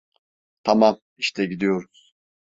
Tamam, işte gidiyoruz.